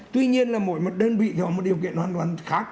tuy nhiên là mỗi một đơn vị thì họ có một điều kiện hoàn toàn khác